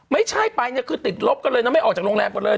ไม่ใช่ไปเนี่ยคือติดลบกันเลยนะไม่ออกจากโรงแรมกันเลย